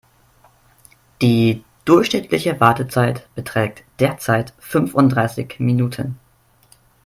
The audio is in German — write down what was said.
Die durchschnittliche Wartezeit beträgt derzeit fünfunddreißig Minuten.